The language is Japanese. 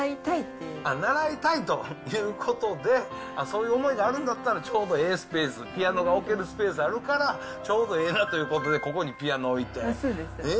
習いたいということで、そういう思いがあるんだったら、ちょうどええスペース、ピアノが置けるスペースがあるから、ちょうどええなということで、ここにピアそうです。